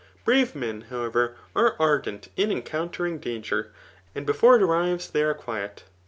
Brave mai, how ever, are ardem in encount^ing danger, but befimre k arrives they are quiet.